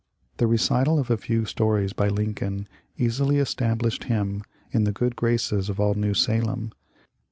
The recital of a few stories by Lincoln easily established him in the good graces of all New Salem.